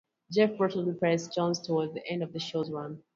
Jeff Probst replaced Jones toward the end of the show's run.